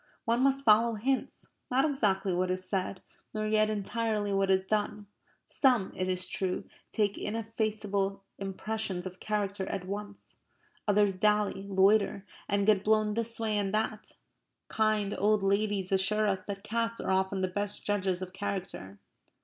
One must follow hints, not exactly what is said, nor yet entirely what is done. Some, it is true, take ineffaceable impressions of character at once. Others dally, loiter, and get blown this way and that. Kind old ladies assure us that cats are often the best judges of character.